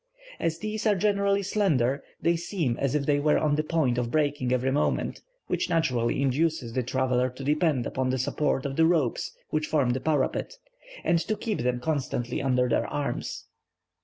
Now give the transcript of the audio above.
As these are generally slender, they seem as if they were on the point of breaking every moment, which naturally induces the traveller to depend upon the support of the ropes which form the parapet, and to keep them constantly under their arms.